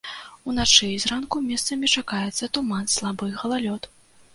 Уначы і зранку месцамі чакаецца туман, слабы галалёд.